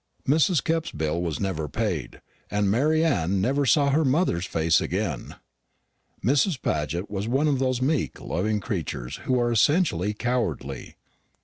Mrs. Kepp's bill was never paid, and Mary Anne never saw her mother's face again. Mrs. Paget was one of those meek loving creatures who are essentially cowardly.